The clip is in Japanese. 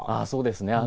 そうですね。